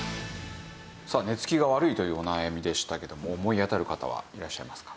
さあ寝つきが悪いというお悩みでしたけども思い当たる方はいらっしゃいますか？